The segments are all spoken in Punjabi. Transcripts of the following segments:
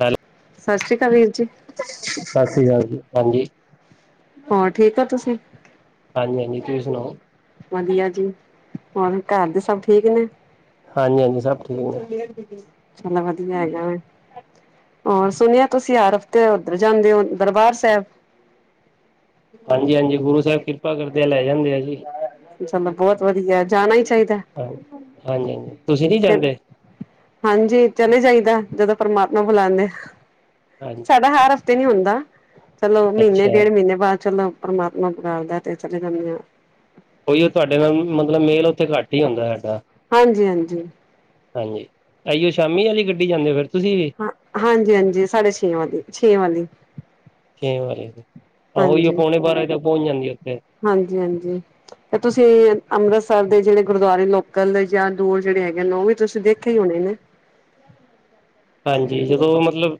ਹੈਲੋ। ਸਤਿ ਸ਼੍ਰੀ ਅਕਾਲ ਵੀਰ ਜੀ। ਸਤਿ ਸ੍ਰੀ ਅਕਾਲ ਜੀ ਹਾਂਜੀ। ਹੋਰ ਠੀਕ ਓ ਤੁਸੀਂ। ਹਾਂਜੀ ਹਾਂਜੀ ਤੁਸੀਂ ਸੁਣਾਓ। ਵਧੀਆ ਜੀ ਹੋਰ ਘਰ ਦੇ ਸਭ ਠੀਕ ਨੇ। ਹਾਂਜੀ ਹਾਂਜੀ ਸਭ ਠੀਕ ਨੇ। ਚੱਲ ਵਧੀਆ ਹੈਗਾ ਵਾ। ਹੋਰ, ਸੁਣਿਆ ਤੁਸੀਂ ਹਰ ਹਫ਼ਤੇ ਉੱਧਰ ਜਾਂਦੇ ਹੋ ਦਰਬਾਰ ਸਾਹਿਬ। ਹਾਂਜੀ ਹਾਂਜੀ ਗੁਰੂ ਸਾਹਿਬ ਕਿਰਪਾ ਕਰਦੇ, ਲੈ ਜਾਂਦੇ ਆ ਜੀ, ਚਲੋ ਬਹੁਤ ਵਧੀਆ ਜਾਣਾ ਹੀ ਚਾਹੀਦਾ ਹਾਂਜੀ ਹਾਂਜੀ। ਤੁਸੀਂ ਨੀ ਫਿਰ ਜਾਂਦੇ? ਹਾਂਜੀ ਚੱਲੇ ਜਾਈਦਾ, ਜਦੋਂ ਪਰਮਾਤਮਾ ਬੁਲਾਉਂਦੇ ਆ, ਹਾਂਜੀ ਸਾਡਾ ਹਰ ਤੇ ਨੀ ਹੁੰਦਾ, ਚੱਲੋ ਮਹੀਨੇ ਅੱਛਾ ਡੇਢ ਮਹੀਨੇ ਬਾਅਦ, ਚਲੋ ਪਰਮਾਤਮਾ ਬੁਲਾਂਦਾ ਤੇ ਚਲੇ ਜਾਂਦੇ ਆਂ। ਕੋਈ ਉਹ ਤੁਹਾਡੇ ਵਾਂਗੂੰ, ਮਤਲਬ ਮੇਨ ਉੱਥੇ ਘੱਟ ਹੀ ਹੁੰਦਾ ਹੈਗਾ। ਹਾਂਜੀ ਹਾਂਜੀ। ਹਾਂਜੀ, ਏਹਿਯੋ ਸ਼ਾਮੀ ਵਾਲੀ ਗੱਡੀ ਜਾਂਦੇ ਹੋ, ਫਿਰ ਤੁਸੀਂ ਵੀ। ਹਾਂ ਹਾਂਜੀ ਹਾਂਜੀ ਸਾਡੇ ਛੇ ਵਾਲੀ, ਛੇ ਵਾਲੀ। ਛੇਹ ਵਜੇ, ਆਹ ਉਹੀੳ ਹਾਂਜੀ ਪੌਣੇ ਬਾਰਾਂ ਤੱਕ ਪਹੁੰਚ ਜਾਂਵਾਂਗੇ ਉੱਥੇ। ਹਾਂਜੀ ਹਾਂਜੀ। ਤੇ ਤੁਸੀਂ ਅੰਮ੍ਰਿਤਸਰ ਦੇ ਜਿਹੜੇ ਗੁਰਦੁਆਰੇ ਲੋਕਲ ਜਾਂ ਦੂਰ ਜਿਹੜੇ ਹੈਗੇ ਨੇ, ਉਹ ਵੀ ਤੁਸੀਂ ਦੇਖੇ ਹੀ ਹੋਣੇ ਨੇ। ਹਾਂਜੀ, ਔ ਮਤਲਬ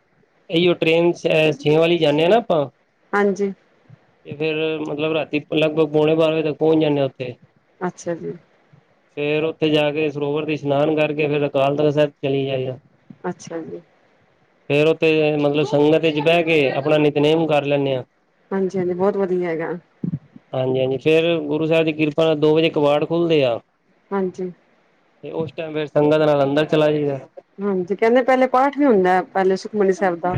ਇਹੀ ਉਹ ਟ੍ਰਰੇਨ ਛੇਹ ਵਾਲੀ ਜਾਂਦੇ ਹਾਂ ਨਾ ਆਪਾਂ। ਹਾਂਜੀ। ਤੇ ਫਿਰ ਮਤਲਬ, ਰਾਤੀ ਲਗਭਗ ਪੋਣੇ ਬਾਰਾਂ ਵਜੇ ਤੱਕ ਪਹੁੰਚ ਜਾਂਨੇ ਆਂ, ਉੱਥੇ। ਅੱਛਾ ਜੀ। ਫੇਰ ਉੱਥੇ ਜਾ ਕੇ, ਸਰੋਵਰ ਤੇ ਇਸ਼ਨਾਨ ਕਰਕੇ, ਫੇਰ ਅਕਾਲ ਤਖ਼ਤ ਸਾਹਿਬ ਚਲੇ ਜਾਏਦਾ ਅੱਛਾ ਜੀ। ਫੇਰ ਉੱਥੇ, ਮਤਲਬ ਸੰਗਤ ਵਿੱਚ ਬਹਿ ਕੇ ਆਪਣਾ ਨਿਤਨੇਮ ਕਰ ਲੈਂਦੇ ਹਾਂ। ਹਾਂਜੀ ਹਾਂਜੀ ਬਹੁਤ ਵਧੀਆ ਹੈਗਾ। ਹਾਂਜੀ ਹਾਂਜੀ, ਫੇਰ ਗੁਰੂ ਸਾਹਿਬ ਦੀ ਕਿਰਪਾ ਨਾਲ ਦੋ ਵਜੇ ਕਵਾੜ ਖੁੱਲਦੇ ਆ। ਹਾਂਜੀ। ਤੇ ਉਸ ਟਾਈਮ, ਫਿਰ ਸੰਗਤ ਦੇ ਨਾਲ ਅੰਦਰ ਚਲਾ ਜਾਇਦਾ। ਹਾਂਜੀ ਕਹਿੰਦੇ ਪਹਿਲੇ ਪਾਠ ਵੀ ਹੁੰਦਾ, ਪਹਿਲੇ ਸੁਖਮਨੀ ਸਾਹਿਬ ਦਾ।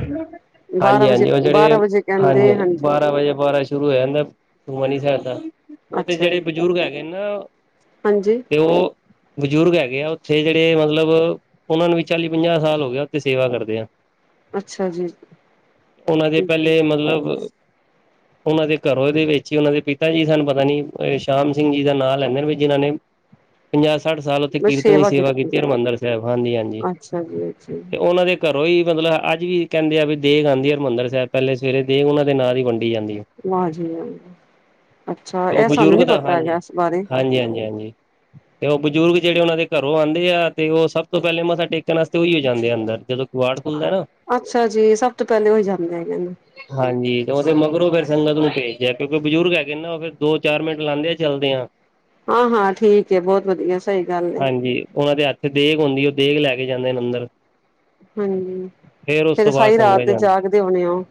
ਬਾਰਾਂ ਹਾਂਜੀ ਵਜੇ ਹਾਂਜੀ, ਉਹ ਬਾਰਾਂ ਜਿਹੜੇ ਵਜੇ ਕਹਿੰਦੇ ਹਾਂਜੀ ਬਾਰਾਂ ਵਜੇ ਬਾਰਾਂ ਸ਼ੁਰੂ ਹੋ ਜਾਂਦਾ ਸੁਖਮਨੀ ਸਾਹਿਬ ਦਾ। ਉਹ ਤੇ ਅੱਛਾ ਜਿਹੜੇ ਜੀ ਬਜ਼ੁਰਗ ਹੈਗੇ ਨਾ ਹਾਂਜੀ। ਤੇ ਉਹ ਬਜ਼ੁਰਗ ਹੈਗੇ ਆ ਉੱਥੇ ਜਿਹੜੇ ਮਤਲਬ, ਉਹਨਾਂ ਨੂੰ ਵੀ ਚਾਲੀ ਪੰਜਾਹ ਸਾਲ ਹੋ ਗਏ ਆ, ਉੱਥੇ ਸੇਵਾ ਕਰਦੇ ਆ। ਅੱਛਾ ਜੀ ਉਹਨਾਂ ਦੇ ਠੀਕ ਹੈ ਪਹਿਲੇ ਮਤਲਬ [unintelligible] ਉਹਨਾਂ ਦੇ ਘਰੋਂ ਦੇ ਵਿੱਚ ਹੀ ਉਹਨਾਂ ਦੇ ਪਿਤਾ ਜੀ ਸਨ ਪਤਾ ਨੀ ਸ਼ਾਮ ਸਿੰਘ ਜੀ ਦਾ ਨਾਂ ਲੈਂਦੇ ਨੇ, ਵੀ ਜਿਨਾਂ ਨੇ ਪੰਜਾਹ ਸੱਠ ਸਾਲ ਉੱਥੇ ਕੀਰਤਨ ਦੀ ਸੇਵਾ ਕੀਤੀ, ਹਰਿਮੰਦਰ ਸਾਹਿਬ, ਹਾਂਜੀ ਹਾਂਜੀ। ਅੱਛਾ ਜੀ। ਤੇ ਜੀ ਉਹਨਾਂ ਦੇ ਘਰੋਂ ਹੀ ਮਤਲਬ ਅੱਜ ਵੀ ਕਹਿੰਦੇ ਆ ਵੀ ਦੇਗ ਆਉਂਦੀ ਐ ਹਰਿਮੰਦਰ ਸਾਹਿਬ, ਪਹਿਲੇ ਸਵੇਰੇ ਦੇਗ ਉਹਨਾਂ ਦੇ ਨਾਂ ਦੀ ਵੰਡੀ ਜਾਂਦੀ ਹੈ। ਹਾਂਜੀ ਹਾਂ। ਅੱਛਾ, ਤੇ ਉਹ ਇਹ ਸਾਨੂੰ ਬਜ਼ੁਰਗ ਨੀ ਦਾ ਪਤਾ ਹੈਗਾ ਹਾਂਜੀ ਇਸ ਬਾਰੇ। ਹਾਂਜੀ ਹਾਂਜੀ ਹਾਂਜੀ ਤੇ ਉਹ ਬਜ਼ੁਰਗ ਜਿਹੜੇ ਉਹਨਾਂ ਦੇ ਘਰੋਂ ਆਉਂਦੇ ਆ, ਤੇ ਉਹ ਸਭ ਤੋਂ ਪਹਿਲੇ ਮੱਥਾ ਟੇਕਣ ਵਾਸਤੇ ਉਹੀ ਹੋ ਜਾਂਦੇ ਆ ਅੰਦਰ ਜਦੋਂ ਕਿਵਾੜ ਖੁੱਲਦਾ ਨਾ ਅੱਛਾ ਜੀ, ਸਭ ਤੋਂ ਪਹਿਲੇ ਉਹੀ ਜਾਂਦੇ ਹੈਗੇ ਨੇ। ਹਾਂਜੀ ਤੇ ਉਹਦੇ ਮਗਰੋਂ ਫਿਰ ਸੰਗਤ ਨੂੰ ਭੇਜਦੇ ਐ, ਕਿਉਂਕਿ ਬਜ਼ੁਰਗ ਹੈਗੇ ਨਾ, ਉਹ ਫਿਰ ਦੋ ਚਾਰ ਮਿੰਟ ਲਾਉਦੇ ਆ ਚੱਲਦੇ ਆ। ਹਾਂ ਹਾਂ ਠੀਕ ਹੈ, ਬਹੁਤ ਵਧੀਆ, ਸਹੀ ਗੱਲ ਹੈ। ਹਾਂਜੀ ਉਹਨਾਂ ਦੇ ਹੱਥ ਇਥੇ ਦੇਗ ਹੁੰਦੀ ਏ, ਦੇਗ ਲੈ ਕੇ ਜਾਂਦੇ ਨੇ ਅੰਦਰ। ਹਾਂਜੀ, ਉਸ ਫੇਰ ਤੋਂ ਬਾਅਦ ਸਾਰੀ ਸੰਗਤ ਰਾਤ ਜਾਂਦੀ ਜਾਗਦੇ ਹੋਣੇ ਓ।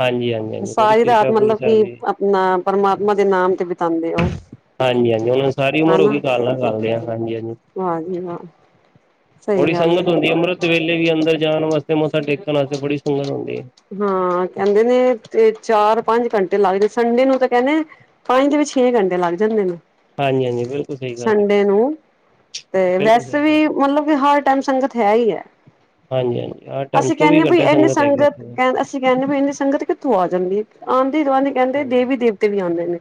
ਹਾਂਜੀ ਹਾਂਜੀ ਹਾਂਜੀ ਬੜੀ ਸਾਰੀ ਰਾਤ, ਕਿਰਪਾ ਗੁਰੂ ਮਤਲਬ ਕਿ ਸਾਹਿਬ ਦੀ ਆਪਣਾ ਪ੍ਰਮਾਤਮਾ ਦੇ ਨਾਮ ਤੇ ਬਿਤਾਉਂਦੇ ਔ। ਹਾਂਜੀ-ਹਾਂਜੀ ਉਹਨਾਂ ਨੂੰ ਸਾਰੀ ਉਮਰ ਹੋ ਗਈ ਕਾਲਾਂ ਕਰਦੇ ਆ ਹਾਂਜੀ-ਹਾਂਜੀ। ਹਾਂਜੀ ਹਾਂ। ਬੜੀ ਸੰਗਤ ਹੁੰਦੀ ਏ ਅੰਮ੍ਰਿਤ ਵੇਲੇ ਵੀ ਅੰਦਰ ਜਾਣ ਵਾਸਤੇ ਮੱਥਾ ਟੇਕਣ ਵਾਸਤੇ ਬੜੀ ਸੰਗਤ ਹੁੰਦੀ ਏ। ਹਾਂ ਕਹਿੰਦੇ ਨੇ ਤੇ ਚਾਰ-ਪੰਜ ਘੰਟੇ ਲੱਗਦੇ ਸੰਡੇ ਨੂੰ ਤਾਂ ਕਹਿੰਨੇਂ ਪੰਜ ਦੇ ਵਿੱਚ ਛੇ ਘੰਟੇ ਲੱਗ ਜਾਂਦੇ ਨੇ। ਹਾਂਜੀ-ਹਾਂਜੀ ਬਿਲਕੁਲ ਸਹੀ ਗੱਲ ਏ। ਸੰਡੇ ਨੂੰ ਤੇ ਵੈਸੇ ਵੀ, ਹੈ ਮਤਲਬ ਕਿ ਹਰ ਟਾਈਮ ਸੰਗਤ ਹੈ ਈ ਐ। ਹਾਂਜੀ-ਹਾਂਜੀ ਆ ਟਾਈਮ ਅਸੀਂ ਚੌਵੀ ਕਹਿੰਦੇ ਬਈ ਘੰਟੇ ਇੰਨੀ ਸੰਗਤ ਹੈਗੀ ਉੱਥੇ। ਕ ਅਸੀਂ ਕਹਿੰਦੇ ਵੀ ਇੰਨੀ ਸੰਗਤ ਕਿੱਥੋਂ ਆ ਜਾਂਦੀ ਏ, ਆਂਦੀ ਜਾਂਦੀ ਕਹਿੰਦੇ ਹਮ ਦੇਵੀ-ਦੇਵਤੇ ਵੀ ਆਉਂਦੇ ਨੇ।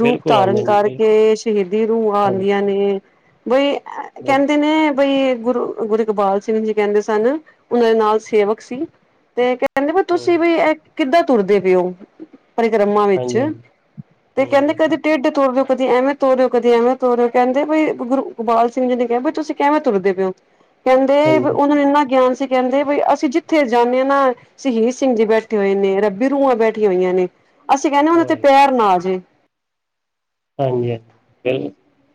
ਰੂਪ ਬਿਲਕੁਲ ਧਾਰਨ ਆਉਂਦੇ ਨੇ ਬਿਲ ਕਰਕੇ ਸ਼ਹੀਦੀ ਰੂਹਾਂ ਹਾਂਜੀ ਆਉਂਦੀਆਂ ਨੇ। ਬਈ, ਐ ਬਿਲਕੁਲ ਕਹਿੰਦੇ ਨੇ ਬਈ ਏ ਗੁਰੂ ਗੁਰੂ ਇਕਬਾਲ ਸਿੰਘ ਜੀ ਕਹਿੰਦੇ ਸਨ ਉਹਨਾਂ ਦੇ ਨਾਲ ਸੇਵਕ ਸੀ ਤੇ ਕਹਿ। ਕਹਿੰਦੇ ਵੀ ਤੁਸੀਂ ਹਮ ਵੀ ਇਹ ਕਿੱਦਾਂ ਤੁਰਦੇ ਪਏ ਓ। ਪਰਿਕਰਮਾ ਵਿੱਚ ਹਾਂਜੀ ਹਾਂਜੀ ਤੇ ਕਹਿੰਦੇ ਹਮ ਕਦੇ ਹਮ ਟੈਡੇ ਤੁਰਦੇ। ਕਦੇ ਐਵੇਂ ਤੋਰਿਓ ਕਦੇ ਐਵੇਂ ਤੋਰਿਓ ਕਹਿੰਦੇ ਬਈ ਗੁਰੂ ਇਕਬਾਲ ਸਿੰਘ ਜੀ ਨੇ ਕਿਹਾ ਬਈ ਤੁਸੀਂ ਕਿਵੇਂ ਤੁਰਦੇ ਪਏ ਓ। ਕਹਿੰਦੇ ਵੀ ਹਾਂਜੀ ਉਹਨਾਂ ਨੂੰ ਇੰਨਾ ਗਿਆਨ ਸੀ ਕਹਿੰਦੇ ਬਈ ਅਸੀਂ ਜਿੱਥੇ ਜਾਂਨੇ ਆਂ ਨਾ ਸ਼ਹੀਸ ਸਿੰਘ ਜੀ ਬੈਠੇ ਹੋਏ ਨੇ ਰੱਬੀ ਰੂਹਾਂ ਬੈਠੀਆਂ ਹੋਈਆਂ ਨੇ ਅਸੀਂ ਕਹਿੰਨੇਂ ਆ ਉਹਨਾਂ ਤੇ ਵਾਹਿਗੁਰੂ ਪੈਰ ਨਾ ਆਜੇ। ਹਾਂਜੀ ਹਾਂ ਬਿਲ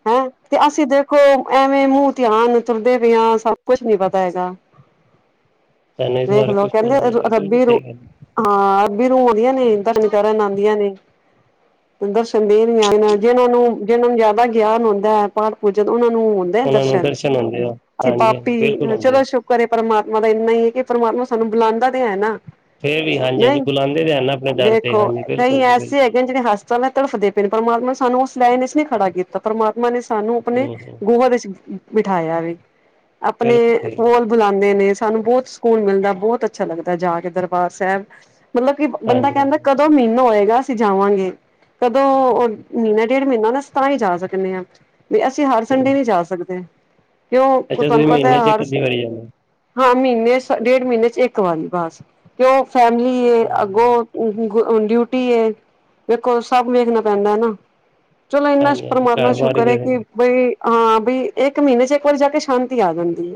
ਹਾਂ। ਤੇ ਅਸੀਂ ਦੇਖੋ ਐਵੇਂ ਮੂੰਹ ਧਿਆਨ ਤੁਰਦੇ ਪਏ ਆ ਸਾਨੂੰ ਕੁਛ ਨੀ ਪਤਾ ਹੈਗਾ। [inaudible] ਸਾਨੂੰ ਇਸ ਵੇਖ ਬਾਰੇ ਲੋ ਕੁੱਛ ਕਹਿੰਦੇ ਪਤਾ ਨੀ ਐ। ਰੱਬੀ ਰੂ ਹਾਂ ਰੱਬੀ ਰੂਹ ਆਉਂਦੀਆਂ ਨੇ ਦਰਸ਼ਨ ਕਰਨ ਆਉਂਦੀਆਂ ਨੇ। ਦਰਸ਼ਨ ਦੇ ਰਹੀਆਂ ਜਿਹਨਾਂ ਨੂੰ-ਜਿਹਨਾ ਨੂੰ ਜ਼ਿਆਦਾ ਗਿਆਨ ਹੁੰਦਾ ਐ ਪਾਠ-ਪੂਜਨ ਉਹਨਾਂ ਨੂੰ ਹੁਣ ਹੁੰਦੇ ਆ ਉਹਨਾਂ ਨੂੰ ਦਰਸ਼ਨ ਹੁੰਦੇ ਆ ਅਸੀ ਹਾਂਜੀ ਹਾਂਜੀ ਪਾਪੀ ਬਿਲਕੁਲ ਹੁੰਦੇ ਚਲੋ ਆ ਸ਼ੁਕ ਕਰੇ ਪਰਮਾਤਮਾ ਦਾ ਏਨਾ ਈ ਐ ਕਿ ਪਰਮਾਤਮਾ ਸਾਨੂੰ ਬੁਲਾਂਦਾ ਤੇ ਹੈ ਨਾ। ਫੇਰ ਵੀ ਹਾਂਜੀ-ਹਾਂਜੀ ਨਹੀਂ ਬੁਲਾਂਦੇ ਤੇ ਹੈ ਨਾ ਆਪਣੇ ਦਰ ਤੇ ਹਾਂਜੀ ਬਿਲਕੁਲ ਜੀ ਬਿਲਕੁਲ ਜਾਂ ਜਿਹੜੇ ਹਸਪਤਾਲਾਂ ਚ ਤੜਫਦੇ ਪਏ ਨੇ ਪਰਮਾਤਮਾ ਸਾਨੂੰ ਉਸ ਲਾਈਨ ਇਸ ਲਈ ਖੜਾ ਕੀ। ਤਾ ਪ੍ਰਮਾਤਮਾ ਨੇ ਸਾਨੂੰ ਆਪਣੇ ਹਮ ਹਮ ਗੋਦ ਵਿੱਚ ਬਿਠਾਇਆ ਵੇ। ਆਪਣੇ ਬਿਲਕੁਲ ਸਹੀ ਗੱਲ ਕੋਲ ਬੁਲਾਉਂਦੇ ਨੇ ਸਾਨੂੰ ਬਹੁਤ ਸਕੂਨ ਮਿਲਦਾ ਬਹੁਤ ਅ। ਅੱਛਾ ਲੱਗਦਾ ਜਾ ਕੇ ਦਰਬਾਰ ਸਾਹਿਬ ਮਤਲਬ ਕਿ ਬੰਦਾ ਹਾਂਜੀ ਕਹਿੰਦਾ ਹਾਂਜੀ ਕ। ਕਦੋਂ ਮਹੀਨ ਹੋਏਗਾ ਅਸੀਂ ਜਾਵਾਂਗੇ ਕਦੋਂ ਉਹ ਓ ਮਹੀਨਾ ਡੇਢ ਮਹੀਨਾ ਨਾ। ਤਾਂ ਈ ਜਾ ਸਕਨੇ ਆ, ਵੀ ਅਸੀਂ ਹਰ ਸੰਡੇ ਨੀਂ ਜਾ ਸਕਦੇ। ਕਿਉਂ ਅੱਛਾ ਤੁਹਾਨੂੰ ਤੁਸੀਂ ਪਤਾ ਮਹੀਨੇ ਐ ਚ ਇੱਕ ਹਰ ਸ ਅੱਧੀ ਵਾਰੀ ਜਾਂਦੇ ਹਾਂ ਮਹੀਨੇ ਚ ਡੇਢ ਮਹੀਨੇ ਚ ਇੱਕ ਵਾਰੀ ਬਸ ਕਿ ਉਹ ਫੈਮਿਲੀ ਏ ਹਮ ਅੱਗੋਂ। ਉ-ਗ-ਓ ਡਿਊਟੀ ਏ ਵੇਖੋ ਸਭ ਵੇਖਣਾ ਪੈਂਦਾ ਐ ਨਾ। ਚਲੋ ਇੰਨਾ ਹਾਂਜੀ ਹਾਂਜੀ ਪ੍ਰਮਾਤਮਾ ਘਰ ਬਾਰ ਸ਼ੁਕਰ ਐ ਗਏ ਕਿ ਬਈ ਹਾਂ ਬਈ ਇੱਕ ਮਹੀਨੇ 'ਚ ਇੱਕ ਵਾਰੀ ਜਾ ਕੇ ਸ਼ਾਂਤੀ ਆ ਜਾਂਦੀ ਏ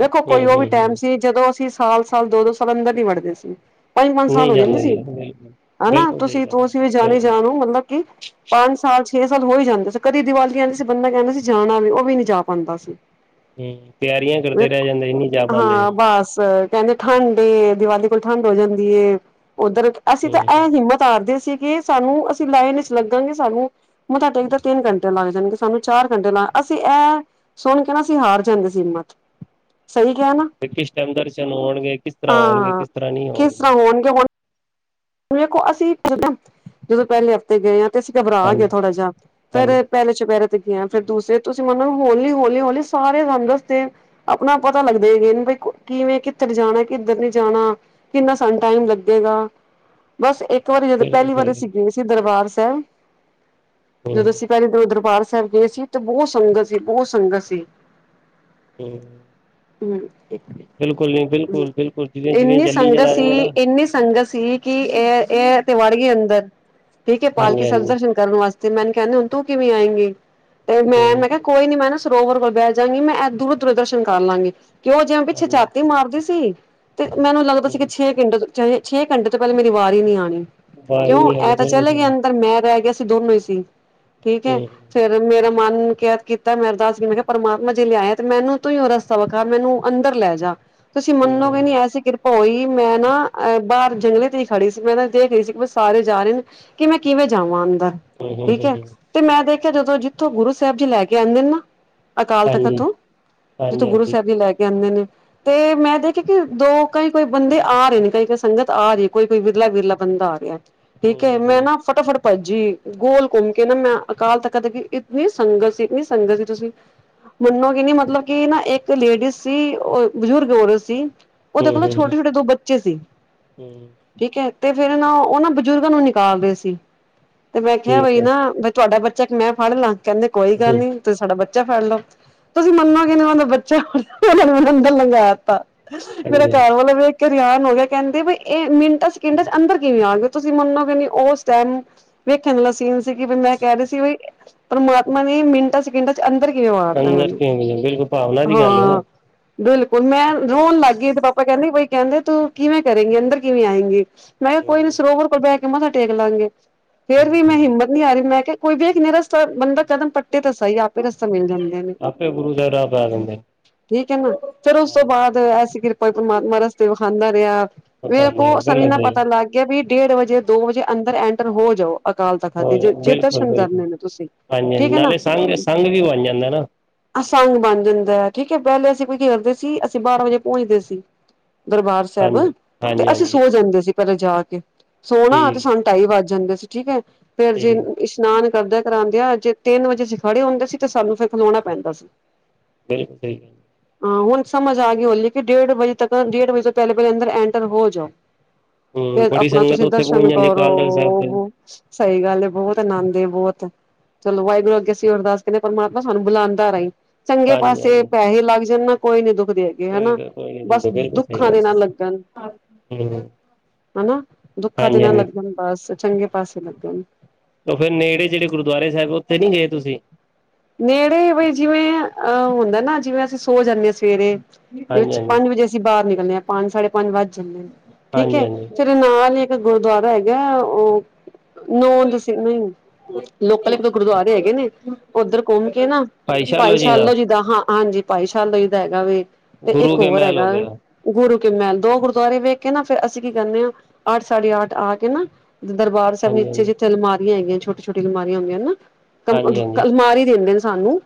ਵੇਖੋ ਕੋਈ ਹਮ ਉਹ ਵੀ ਹਮ ਟਾਈਮ ਸੀ। ਜਦੋਂ ਅਸੀਂ ਸਾਲ-ਸਾਲ ਦੋ-ਦੋ ਸਾਲ ਅੰਦਰ ਨੀਂ ਵੜਦੇ ਸੀ। ਪੰਜ-ਪੰਜ ਸਾਲ ਨਹੀਂ ਹੋ ਜਾਂਦੇ ਜੀ ਸੀ ਬਿਲਕੁਲ ਹਨਾ ਬਿਲਕੁਲ ਸਹੀ ਗੱਲ ਹੈ ਤੁਸੀ-ਤੁਸੀ ਵੀ ਬਿਲਕੁਲ ਜਾਣੀ-ਜਾਣ ਓ ਮਤਲਬ ਕਿ ਪੰਜ ਸਾਲ ਛੇ ਸਾਲ ਹੋਈ ਜਾਂਦੇ ਸੀ ਕਦੀ ਦੀਵਾਲੀ ਆਂਦੀ ਸੀ ਬੰਦਾ ਕਹਿੰਦਾ ਸੀ ਜਾਣਾ ਵੀ ਉਹ ਵੀ ਨੀ ਜਾ ਪਾਂਦਾ ਸੀ। ਹੂੰ ਤਿਆਰੀਆਂ ਕਰਦੇ ਰਹਿ ਜਾਂਦੇ ਸੀ ਨਹੀਂ ਜਾ ਪਾਂਦੇ। ਹਾਂ ਬਸ ਕਹਿੰਦੇ ਠੰਡ ਏ ਦੀਵਾਲੀ ਕੋਲ ਠੰਢ ਹੋ ਜਾਂਦੀ ਏ ਉੱਧਰ ਅਸੀਂ ਤਾਂ ਹਮ ਐ ਹਮ ਹਿੰਮਤ ਤਾਰਦੇ ਸੀ ਕਿ ਸਾਨੂੰ ਅਸੀ ਲਾਈਨ ਵਿੱਚ ਲੱਗਾਂਗੇ ਸਾਨੂੰ ਮੱਥਾ ਟੇਕਦੇ ਤਿੰਨ ਘੰਟੇ ਲੱਗ ਜਾਂਦੇ ਸੀ ਸਾਨੂੰ ਚਾਰ ਘੰਟੇ ਲੱਗ ਅਸੀਂ ਐ ਸਾਨੂੰ ਕਹਿਣਾ ਸੀ ਹਾਰ ਜਾਂਦੇ ਸੀ ਹਿੰਮਤ ਸਹੀ ਕਿਹਾ ਨਾ। ਵੀ ਕਿਸ ਟਾਈਮ ਦਰਸ਼ਨ ਹੋਣਗੇ ਕਿਸ ਤਰ੍ਹਾਂ ਹੋਣਗੇ ਹਾਂ ਕਿਸ ਤਰ੍ਹਾਂ ਨਹੀਂ ਹੋਣਗੇ। [inaudible] ਵੇਖੋ ਅਸੀਂ ਜ ਜਦੋਂ ਪਹਿਲੇ ਹਫ਼ਤੇ ਗਏ ਹਾਂ ਤੇ ਅਸੀਂ ਘਬਰਾ ਗਏ ਹਾਂਜੀ ਥੋੜਾ ਜਿਹਾ ਹਾਂਜੀ ਫੇਰ। ਪਹਿਲੇ ਚੁਪਹਿਰੇ ਤੇ ਗਿਆ ਫੇਰ ਦੂਸਰੇ ਤੁਸੀਂ ਮਨੋ ਹੋਲੀ ਹੋਲੀ ਹਲੀ ਸਾਰੇ ਰੰਗ ਦੱਸਦੇ। ਆਪਣਾ ਪਤਾ ਲੱਗਦੇ ਹੈਗੇ ਬ ਕਿਵੇਂ ਕਿੱਧਰ ਜਾਣਾ ਕਿੱਧਰ ਨਹੀਂ ਜਾਣਾ। ਕਿੰਨਾ ਸਾਨੂੰ ਟਾਈਮ ਲੱਗੇਗਾ। ਬਸ ਇੱਕ ਵਾਰੀ ਜਦੋਂ ਬਿਲਕੁਲ ਪਹਿਲੀ ਵਾਰੀ ਸਹੀ ਗੱਲ। ਅਸੀਂ ਗਏ ਸੀ ਦਰਬਾਰ ਸਾਹਿਬ ਹੂੰ ਜਦੋਂ। ਜਦੋਂ ਅਸੀਂ ਦਰਬਾਰ ਸਾਹਿਬ ਗਏ ਸੀ ਤੇ ਬਹੁਤ ਸੰਗਤ ਸੀ ਬਹੁਤ ਸੰਗਤ ਸੀ। ਹਮ ਬਿਲਕੁਲ ਬਿਲਕੁਲ ਜਿਵੇਂ ਜਿਵੇਂ ਇੰਨੀ ਜੱਲੀ ਸੰਗਤ ਚਲਾ ਰਹੇ ਸੀ ਨੇ ਨਾ ਇੰਨੀ ਸੰਗਤ। ਸੀ ਕਿ ਇਹ ਇਹ ਤੇ ਵੜ ਗਏ ਅੰਦਰ ਠੀਕ ਹੈ ਪਾਲਕੀ ਹਾਂਜੀ ਸਭ ਦਰਸ਼ਨ। ਹਾਂਜੀ ਦਰਸ਼ਨ ਕਰਨ ਵਾਸਤੇ ਮੈਨੂੰ ਕਹਿੰਦੇ ਹੁਣ ਤੂੰ ਕਿਵੇਂ ਆਏਂਗੀ ਤੇ ਮੈਂ ਹੂੰ ਕਿਹਾ। ਕੋਈ ਨੀ ਮੈਂ ਨਾ ਸਰੋਵਰ ਵਲ ਬੈ ਜੰਗੀ। ਦਰਸ਼ਨ ਕਰ ਲਾਂਗੇ ਕਿ ਉਹ ਜਿਵੇਂ ਪਿੱਛੇ ਹਾਂਜੀ ਛਾਤੀ ਮਾਰਦੇ ਸੀ ਤੇ ਮੈਨੂੰ ਲੱਗਦਾ ਸੀ ਕਿ। ਹੂੰ ਘੰਟ ਤੋਂ ਛੇ ਘੰਟੇ ਤੋਂ ਪਹਿਲੇ ਮੇਰੀ ਵਾਰੀ ਹੀ ਨਹੀਂ ਆਣੀ। ਬਾਹਰ ਕਿਉਂ ਨੀ ਆਣੇ ਇਹ ਤਾਂ ਚਲੇ ਬਿਲਕੁਲ, ਗਏ ਅੰਦਰ ਮੈਂ ਰਹਿ ਗਿਆ ਸੀ ਦੋਨੋ ਹੀ ਸੀ ਠੀਕ ਹੈ। ਹੂੰ ਫੇਰ ਮੇਰਾ ਮਨ ਕਿਹਾ ਕੀਤਾ ਮੈਂ ਅਰਦਾਸ ਕੀਤੀ ਮੈਂ ਕਿਹਾ ਪਰਮਾਤਾ ਜੇ ਲਿਆਇਆ ਤੇ ਮੈਨੂੰ ਤੂੰਹੀ ਰਸਤਾ। ਵਿਖਾ ਕਰ ਮੈਨੂੰ ਅੰਦਰ ਲੈ ਜਾ। ਤੁਸੀਂ ਹੂੰ ਮੰਨੋਗੇ ਹੂੰ ਨੀ ਹਾਂਜੀ ਐਸੀ ਕਿਰਪਾ ਹੋਈ ਮੈਂ ਨਾ ਅਹ ਬਾਹਰ ਜੰਗਲੇ। ਤੇ ਹੀ ਖੜੀ ਸੀ ਮੈਂ ਨਾ ਦੇਖ ਰਹੀ ਸੀ ਸਾਰੇ ਜਾ ਰਹੇ ਨੇ ਕਿ ਮੈਂ ਕਿਵੇਂ ਜਾਵਾ ਅੰਦਰ ਠੀਕ ਹੈ। ਹਾਂਜੀ ਤੇ ਮੈਂ ਦੇਖਿਆ ਜਦੋਂ ਜਿੱਥੋਂ ਗੁਰੂ ਸਾਹਿਬ ਜੀ ਲੈ ਕੇ ਆਉਂਦੇ ਨੇ ਨਾ। ਅਕਾਲ ਤਖ਼ਤ ਹਾਂਜੀ ਤੋਂ ਜਿੱਥੋਂ ਗੁਰੂ ਹਾਂਜੀ-ਹਾਂਜੀ, ਸਾਹਿਬ ਜੀ ਲੈ ਕੇ ਆਉਂਦੇ ਨੇ ਤੇ ਮੈਂ ਦੇਖਿਆ ਕਿ ਦੋ। ਕਈ ਕੋਈ ਬੰਦੇ ਆ ਰਹੇ ਨੇ ਕਈ ਕੋਈ ਸੰਗਤ ਆ ਰਹੀ ਕੋਈ ਕੋਈ ਵਿਰਲਾ ਵਿਰਲਾ ਬੰਦਾ ਆ ਰਿਹਾ। ਹੂੰ ਠੀਕ ਏ ਹੂੰ ਮੈਂ ਹੂੰ ਨਾ ਫਟਾਫਟ। ਭੱਜੀ ਗੋਲ ਘੁੰਮ ਕੇ ਨਾ ਮੈਂ ਅਕਾਲ ਤੱਕਤ ਦੇ ਇਤਨੀ ਸੰਗਤ ਸੀ ਇਤਨੀ ਸੰਗਤ ਸੀ ਤੁਸੀਂ। ਮਨੋਗੇ ਨੀ ਮਤਲਬ ਕਿ ਨਾ ਇੱਕ ਲੇਡੀਜ਼ ਸੀ ਓ ਬਜ਼ੁਰਗ ਹੋ ਰੇ ਸੀ ਓਦੇ ਹੂੰ ਕੋਲ ਨਾ ਹੂੰ ਛੋਟੇ-ਛੋਟੇ ਦੋ ਬੱਚੇ ਸੀ। ਹੂੰ। ਠੀਕ ਐ ਤੇ ਫੇਰ ਨਾ ਓ, ਓ ਨਾਂ ਬਜ਼ੁਰਗਾਂ ਨੂੰ ਨਿਕਾਲਦੇ ਸੀ ਤੇ ਮੈਂ ਕਿਹਾ ਠੀਕ ਬਈ ਹੈ ਨਾ ਤੁਆਡਾ ਬੱਚਾ ਇੱਕ ਮੈਂ ਫੜ ਲਾਂ? ਕੈਂਦੇ ਕੋਈ ਗੱਲ ਹੂੰ ਨੀ ਤੁਸ ਸਾਡਾ ਬੱਚਾ ਫੜ ਲਓ। ਤੁਸੀ ਮਨੋਗੇ ਨੀ ਓਦਾ ਬੱਚਾ [unintelligible] ਓਨਾਂ ਨੇ ਮੈਨੂੰ ਅੰਦਰ ਲੰਘਾ ਤਾ। ਮੇਰਾ ਹਾਂਜੀ ਹਾਂਜੀ ਘਰ ਵਾਲਾ ਵੇਖ ਕੇ ਹੈਰਾਨ ਹੋ ਗਿਆ ਕਹਿੰਦੇ ਵੀ ਇਹ ਸਕਿੰਡਾਂ ਚ' ਅੰਦਰ ਕਿਵੇਂ ਆਉਣਗੇ। ਤੁਸੀਂ ਮਨੋਗੇ ਨਹੀ, ਉਸ ਟਾਈਮ ਵੇਖਣ ਵਾਲਾ ਸੀਨ ਸੀ। ਕਿ ਮੈਂ ਕਹਿ ਰਹੀ ਸੀ ਵੀ ਪਰਮਾਤਮਾ ਨੇ ਮਿੰਟਾਂ, ਸਕਿੰਟਾਂ ਅੰਦਰ ਕਿਵੇਂ ਵਾੜਤਾ ਉਹਨਾਂ ਅੰਦਰ ਨੇ। ਕਿਵੇਂ ਮਿਲੇ ਬਿਲਕੁਲ ਭਾਵਨਾ ਦੀ ਗੱਲ ਹੈ ਨਾ ਹਾ। ਬਿਲਕੁਲ ਮੈਂ ਰੋਣ ਲੱਗ ਗਈ। ਤੇ ਪਾਪਾ ਕਹਿੰਦੇ ਬਈ ਕਹਿੰਦੇ ਤੂੰ ਕਿਵੇਂ ਕਰੇਗੀ। ਅੰਦਰ ਕਿਵੇਂ ਆਏਂਗੀ। ਮੈਂ ਕਿਹਾ ਕੋਈ ਨ ਹੂੰ ਸਰੋਵਰ ਕੋਲ ਬਹਿ ਕੇ ਮੱਥਾ ਟੇਕ ਲਾਂਗੇ। ਫੇਰ ਵੀ ਮੈਂ ਹਾਂਜੀ ਹਿੰਮਤ ਨੀ ਆ ਰਹੀ ਮੈਂ ਕਿਹਾ, ਕੋਈ ਵੇਖ ਲਾ ਗੇ। ਤਾਂ ਬੰਦਾ ਕਦਮ ਪੱਟੇ ਤਾਂ ਸਹੀ ਆਪੇ ਰਸਤੇ ਮਿਲ ਜਾਂਦੇ ਨੇ। ਆਪੇ ਗੁਰੂ ਸਾਹਿਬ [inaudible] ਠੀਕ ਹੈ ਨਾ। ਫੇਰ ਉਸ ਤੋਂ ਹਾਂਜੀ ਹਾਂਜੀ ਬਾਅਦ ਐਸੀਂ ਕਿਰਪਾ ਹੋਈ ਪ੍ਰਮਾਤਮਾ ਰਸਤੇ ਵਿਖਾਦਾ ਰਿਹਾ। ਮੇਰੇ ਕੋ [inaudible] ਸਾਨੂੰ ਇੰਨਾ ਪਤਾ ਲੱਗ ਗਿਆ ਵੀ ਡੇਢ ਵਜੇ ਦੋ ਵਜੇ ਅੰਦਰ ਐਂਟਰ ਹੋ ਜਾਓ। ਅਕਾਲ ਤਖ਼ਤ ਤੇ ਜੇ ਬਿਲਕੁਲ ਦਰਸ਼ਨ ਬਿਲਕੁਲ ਕਰਨੇ ਨੇ ਤੁਸੀਂ। ਹਾਂਜੀ- ਹਾਂਜੀ ਠੀਕ ਹੈ ਨਾ ਨਾਲੇ ਸੰਘ- ਸੰਘ ਵੀ ਬਣ ਜਾਂਦਾ ਨਾ। ਸੰਗ ਬਣ ਜਾਂਦਾ ਆ। ਠੀਕ ਹੈ ਪਹਿਲੇ ਅਸੀਂ ਕੀ ਕਰਦੇ ਸੀ ਅਸੀਂ ਬਾਰਾਂ ਵਜੇ ਪਹੁੰਚਦੇ ਸੀ। ਦਰਬਾਰ ਹਾਂਜੀ ਸਾਹਿਬ। ਤੇ ਹਾਂਜੀ ਅਸੀਂ ਹਾਂਜੀ ਸੋ ਜਾਂਦੇ ਸੀ ਪਹਿਲਾਂ ਜਾ ਕੇ ਸੋਣਾ ਤੇ ਠੀਕ ਸ ਹੈ ਢਾਈ ਵੱਜ ਜਾਂਦੇ ਸੀ ਠੀਕ ਹੈ। ਫੇਰ ਜੀ ਠੀਕ ਹੈ ਇਸ਼ਨਾਨ ਕਰਦਿਆਂ- ਕਰਾਉਦਿਆਂ ਜੇ ਤਿੰਨ ਵਜੇ ਖੜੇ ਹੁੰਦੇ ਸੀ ਤੇ ਸਾਨੂੰ ਫਿਰ ਖਲਾਣਾ ਪੈਂਦਾ ਸੀ। ਬਿਲਕੁਲ। ਹਾਂ, ਹੁਣ ਸਮਝ ਆ ਗਈ ਓਹੀ ਕਿ ਡੇਢ ਵਜੇ ਤੱਕ ਡੇਢ ਵਜੇ ਤੋਂ ਪਹਿਲੇ ਪਹਿਲੇ ਅੰਦਰ ਐਂਟਰ ਹੋ ਜਾਓ। ਤੇ ਹਮ ਬੜੀ ਆਪਣਾ ਸੰਗਤ ਤੁਸੀਂ ਉੱਥੇ ਦਰਸ਼ਨ ਪਹੁੰਚ ਜਾਂਦੀ ਅਕਾਲ ਸਾਹਿਬ ਤੇ ਕਰੋ। ਸਹੀ ਗੱਲ ਏ ਬਹੁਤ ਆਨੰਦ ਏ ਬੋਅਤ। ਚਲੋ, ਵਾਹਿਗੁਰ ਅੱਗੇ ਸੀ ਅਰਦਾਸ ਕਰਦੇ ਪਰਮਾਤਮਾ ਸਾਨੂੰ ਬੁਲਾਂਦਾ ਰਈ। ਚੰਗੇ ਹਾਂਜੀ ਪਾਸੇ ਹਾਂਜੀ ਪੈਸੇ ਲੱਗ ਜਾਣ ਨਾ ਕੋਈ ਨੀ ਦੁਖਦੇ ਹੈ। ਕੋਈ ਹਨਾ। ਗੱਲ ਕੋਈ ਬਸ ਗੱਲ ਦੁੱਖਾਂ ਦੇ ਨਾਅ ਲੱਗਣ। ਹੈਲੋ, ਹਨਾ। ਦੁੱਖਾਂ ਤੇ ਨਾ ਲੱਗਣ ਬਸ ਚੰਗੇ ਪਾਸੇ ਲੱਗਣ। ਉਹ ਫੇਰ ਨੇੜੇ ਜਿੜੇ ਗੁਰਦੁਆਰੇ ਸਾਹਿਬ ਉੱਥੇ ਨੀ ਗਏ ਤੁਸੀਂ? ਨੇੜੇ ਵੀਈ ਜਿਵੇਂ, ਅਹ ਹੁੰਦਾ ਨਾ ਜਿਵੇਂ ਅਸੀਂ ਸੋ ਜਾਂਦੇ ਸ ਸਵੇਰੇ ਦੇ ਹਾਂਜੀ ਵਿੱਚ ਹਾਂਜੀ ਪੰਜ ਵਜੇ ਅਸੀਂ ਬਾਹਰ ਨਿਕਲਦੇ ਆ। ਪੰਜ, ਸਾਢੇ ਪੰਜ ਵੱਜ ਜਾਂਦੇ ਨੇ ਠੀਕ ਹਾਂਜੀ ਐ। ਹਾਂਜੀ ਫਿਰ ਨਾਲ ਈ ਇੱਕ ਗੁਰਦੁਆਰਾ ਹੈਗਾ ਉਹ ਨੋ‌ ਜੇ ਸੀ ਨਈ। ਲੋਕਲ ਇੱਕ, ਦੋ ਗੁਰਦੁਆਰੇ ਹੈਗੇ ਨੇ। ਉੱਧਰ ਘੁੰਮ ਕੇ ਨਾ, ਭਾਈ‌ ਸਾਲੋ ਜੀ ਦਾ ਹਾਂ। ਹਾਂਜੀ, ਭਾਈ ਸ਼ਾਲੋ ਜੀ ਦਾ ਹੈਗਾ ਵੇ। ਤੇ ਇੱਕ ਗੁਰੂ ਕੇ ਹੋਰ ਮਹਿਲ ਹੋ ਹੈਗਾ ਵੇ। ਗਿਆ ਗੁਰੂ ਕੇ ਮਹਿਲ। ਦੋ ਗੁਰਦੁਆਰੇ ਵੇਖ ਕੇ ਨਾ ਫੇਰ ਅਸੀਂ ਕੀ ਕਰਨੇ ਆ ਅੱਠ ਸਾਢੇ ਅੱਠ ਆ ਕੇ ਨਾ ਦਰਬਾਰ ਸੇਹਬ ਹਾਂਜੀ ਨੀਚੇ ਹਾਂਜੀ ਜਿੱਥੇ ਅਲਮਾਰੀਆਂ ਹੈਗੀਆਂ ਛੋਟੀ-ਛੋਟੀ ਅਲਮਾਰੀਆਂ ਹੁੰਦੀਆਂ ਨੇ ਨਾ। ਹਾਂਜੀ ਕੰ ਹਾਂਜੀ ਮਾਰ ਈ ਦਿੰਦੇ ਨੇ ਸਾਨੂੰ।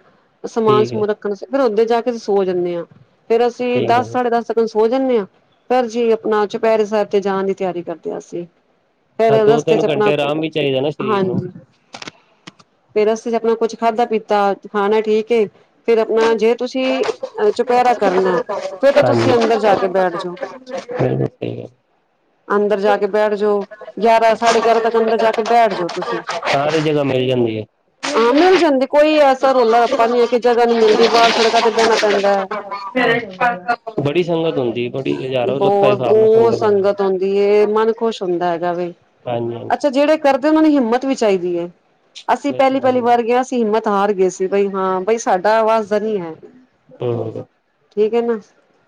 ਸਮਾਨ- ਠੀਕ ਹੈ ਸਮੂਨ ਰੱਖਣਨੂੰ ਫੇਰ ਉੱਦੇ ਜਾ ਕੇ ਸੋ ਜਾਂਨੇ ਆ। ਫੇਰ ਅਸੀਂ ਠੀਕ ਹੈ ਦਸ, ਸਾਢੇ ਦਸ ਸੋ ਜਾਂਨੇ ਆ। ਫੇਰ ਜੀ ਆਪਣਾ ਚੁਪਹਿਰੇ ਸਾਹਿਬ ਤੇ ਜਾਣ ਦੀ ਤਿਆਰੀ ਕਰਦੇ ਆ ਅਸੀਂ। ਫੇਰ ਹਾਂ ਦੋ ਰਸਤੇ ਤਿੰਨ 'ਚ ਆਪਣਾ। ਘੰਟੇ ਆਰਾਮ ਵੀ ਚਾਹੀਦਾ ਨਾ ਸਰੀਰ ਨੂੰ ਹਾਂਜੀ। ਫੇਰ ਰਸਤੇ 'ਚ ਆਪਣਾ ਕੁਛ ਖਾਧਾ- ਪੀਤਾ ਖਾਣਾ ਠੀਕ ਏ। ਫਿਰ ਆਪਣਾ ਜੇ ਤੁਸੀਂ ਅਹ ਚੁਪਹਿਰਾ ਕਰਨੇਅ। ਫਿਰ ਤਾਂ ਤੁਸੀਂ ਅੰਦਰ ਜਾ ਕੇ ਬੈਠ ਜੋ। ਹੂੰ ਅੰਦਰ ਜਾ ਕੇ ਬੈਠ ਜੋ। ਗਿਆਰਾਂ ਸਾਢੇ ਗਿਆਰਾਂ ਤੱਕ ਅੰਦਰ ਜਾ ਕੇ ਬੈਠ ਜੋ ਤੁਸੀਂ। ਸਾਰੀ ਜਗ੍ਹਾ ਮਿਲ ਜਾਂਦੀ ਐ। ਹਾਂ, ਮਿਲ ਜਾਂਦੀ ਕੋਈ ਐਸਾ ਰੋਲਾ- ਰੱਪਾ ਨੀ ਹੈ ਕਿ ਜਗ੍ਹਾ ਨੀ ਮਿਲਦੀ ਬਾਹਰ ਸੜਕਾਂ ਤੇ ਬਹਿਣਾ ਪੈਂਦਾ ਐ। ਬੜੀ ਸੰਗਤ ਹੁੰਦੀ ਬੜੀ ਹਜ਼ਾਰੋ, ਲੱਖਾਂ ਦੇ ਬਹੁਤ ਹਿਸਾਬ ਨਾਲ ਬਹੁਤ ਸੰਗਤ। ਹੁੰ ਸੰਗਤ ਹੁੰਦੀ ਏ ਮਨ ਖੁਸ਼ ਹੁੰਦਾ ਹੈਗਾ ਵੇ। ਹਾਂਜੀ। ਅੱਛਾ ਜਿਹੜੇ ਕਰਦੇ ਉਹਨਾਂ ਨੂੰ ਹਿੰਮਤ ਵੀ ਚਾਈਦੀ ਏ। ਅਸੀਂ ਪਹਿਲੀ-ਪਹਿਲੀ ਬਿਲਕੁਲ ਵਾਰ ਗਿਆ। ਹਿੰਮਤ ਹਾਰ ਗਏ ਸੀ ਬਈ ਹਾਂ। ਬਈ ਸਾਡਾ ਵਾਸ ਦਾ ਨੀ‌ ਐ। ਬਿਲਕੁਲ ਠੀਕ ਐ ਨਾ,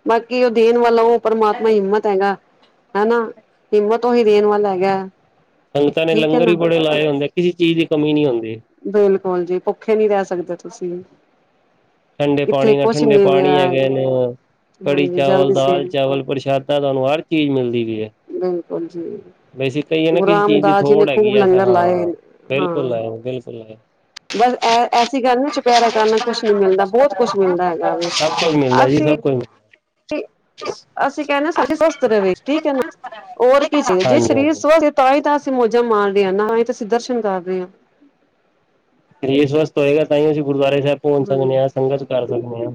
ਬਾਕੀ ਉਹ ਦੇਣ ਵਾਲਾ ਉਹ ਪਰਮਾਤਮਾ ਹਿੰਮ ਤ ਹੈਗਾ ਹਨਾ, ਹਿੰਮਤ ਉਹੀ ਦੇਣ ਵਾਲਾ ਹੈਗਾ। ਸੰਗਤਾਂ ਨੇ ਠੀਕ ਹੈ ਲੰਗਰ ਵੀ ਨਾ ਬੜੇ ਲਾਏ ਹੁੰਦੇ ਆ, ਕਿਸੇ ਚੀਜ਼ ਦੀ ਕਮੀ ਨੀ ਹੁੰਦੀ। ਬਿਲਕੁਲ ਜੀ ਭੁੱਖੇ ਨੀ ਰਹਿ ਸਕਦੇ ਤੁਸੀਂ। ਠੰਡੇ ਇੱਥੇ ਪਾਣੀ ਨਾਲ ਕੁਛ ਠੰਡੇ ਨੀ ਰਿਹਾ ਪਾਣੀ ਹੈਗੇ ਨੇ ਹਾਂਜੀ ਕੜੀ-ਚਾਵਲ, ਜਲਦੀ ਸੇਰ ਦਾਲ-ਚਾਵਲ ਪ੍ਰਸ਼ਾਦ ਦਾਂ ਤੁਹਾਨੂੰ ਹਰ ਚੀਜ਼ ਮਿਲਦੀ ਵੀ ਈ ਐ। ਬਿਲਕੁਲ ਜੀ। ਗੁਰੂ ਕਿਸੇ ਚੀਜ਼ ਦੀ ਰਾਮਦਾਸ ਜੀ ਨੇ ਥੋੜ ਹੈਗੀ ਖੂਬ ਐ ਲੰਗਰ ਲਾਏ, ਹਾਂ ਬਿਲਕੁਲ ਹਾਂ। ਆਏ ਬਿਲਕੁਲ ਆਏ ਬਸ ਐ ਐਸੀ ਗੱਲ ਨੂੰ ਚੁਪੈਰਾ ਕਰਨਾ ਕੁਛ ਨੀ ਮਿਲਦਾ ਬੋਤ ਕੁਛ ਮਿਲਦਾ ਹੈਗਾ ਵੇ, ਸਭ ਕੁਝ ਮਿਲਦਾ ਜੀ ਅਸੀਂ ਸਭ ਕੁਝ ਅਸੀਂ ਕਹਿੰਨੇ ਆ ਸਾ ਸਵਸਥ ਰਵੇ ਠੀਕ ਐ ਨਾ ਹੋਰ ਕੀ ਚਈਏ ਜੇ ਹਾਂਜੀ ਸਰੀਰ ਹਾਂਜੀ ਸਵਸਥ ਤਾਂ ਈ ਤਾਂ ਅਸੀਂ ਮੌਜਾਂ ਮਾਰਦੇ ਆ ਨਾ ਏਤੇ ਅਸੀ ਦਰਸ਼ਨ ਕਰ ਰੇ ਆ। ਸਰੀਰ ਸਵਸਥ ਹੋਏਗਾ, ਤਾਂ ਈ ਅਸੀਂ ਗੁਰਦੁਆਰੇ ਸਾਹਿਬ ਪਹੁੰਚ ਹਾਂਜੀ ਸਕਦੇ ਆ ਸੰਗਤ ਕਰ ਸਕਦੇ ਹਾਂ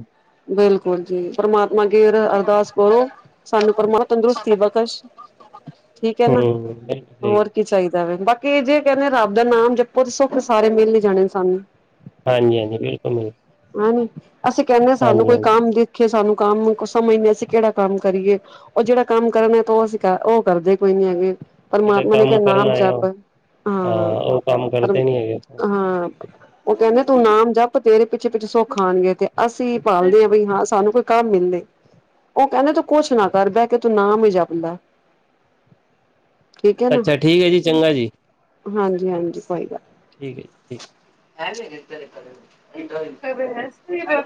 ਬਿਲਕੁਲ ਜੀ ਪਰਮਾਤਮਾ ਅਗੇ ਅਰਦਾਸ ਕਰੋ। ਸਾਨੂੰ ਪ੍ਰਮਾਤਮਾ ਤੰਦਰੁਸਤੀ ਬਕਸ਼। ਠੀਕ ਹੈ ਨਾ, ਹਮ ਬਿਲਕੁਲ ਸਹੀ ਹੋਰ ਗੱਲ ਕੀ ਚਾਈਦਾ ਵੇ ਬਾਕ ਕਿ ਜੇ ਕਹਿੰਨੇ ਆ ਰੱਬ ਦਾ ਨਾਮ ਜਪੋ, ਸੁੱਖ ਸਾਰੇ ਮਿਲ ਨੀ ਜਾਣੇ ਸਾਨੂੰ। ਹਾਂਜੀ-ਹਾਂਜੀ ਬਿਲਕੁਲ ਜੀ। ਅਸੀਂ ਕਹਿੰਨੇ ਆ ਸਾਨੂੰ ਕੋਈ ਕੰਮ ਦੇਖੇ ਸਾਨੂੰ ਕੰਮ ਸਮਝਦੇ, ਅਸੀਂ ਕਿਹੜਾ ਕੰਮ ਕਰੀਏ। ਉਹ ਜਿਹੜਾ ਕੰਮ ਕਰਨਾ ਤੇ ਉਹ ਅਸੀਂ ਕਰ ਉਹ ਕਰਦੇ ਕੋਈ ਨੀ ਹੈਗੇ, ਜਿਹੜੇ ਪਰਮਾਤਮਾ ਨੇ ਕੰਮ ਕਿਹਾ ਕਰਨ ਨਾਮ ਆਏ ਹੋ ਜਪ। ਹਾਂ, ਉਹ ਕੰਮ ਪਰ ਕਰਦੇ ਨੀ ਹੈਗੇ ਹਾਂ ਉਹ ਕਹਿੰਨੇ ਤੂੰ ਨਾਮ ਜ ਤੇਰੇ ਪਿੱਛੇ-ਪਿੱਛੇ ਸੁੱਖਾਣ ਗਏ, ਤੇ ਅਸੀਂ ਪਾਲਦੇ ਹਾਂ ਬਈ ਹਾਂ ਸਾਨੂੰ ਕੋਈ ਕੰਮ ਮਿਲਦੇ। ਉਹ ਕਹਿੰਦੇ ਤੂੰ ਕੁੱਛ ਨਾ ਕਰ ਬਹਿ ਕੇ ਤੂੰ ਨਾਮ ਜਾਪਦਾ। ਠੀਕ ਹੈ ਨਾ, ਅੱਛਾ ਠੀਕ ਹੈ ਜੀ ਚੰਗਾ ਜੀ ਹਾਂਜੀ-ਹਾਂਜੀ ਕੋਈ ਗੱਲ। ਠੀਕ ਹੈ ਜੀ [unintelligible] ਇਹ ਕੀ ਬ